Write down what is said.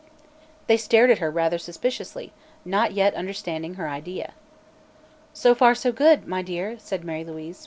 They stared at her rather suspiciously, not yet understanding her idea. "So far, so good, my dear," said Mary Louise.